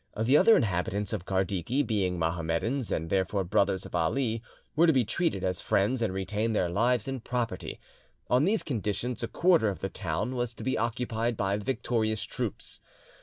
The other inhabitants of Kardiki, being Mohammedans, and therefore brothers of Ali, were to be treated as friends and retain their lives and property. On these conditions a quarter of the town; was to be occupied by the victorious troops.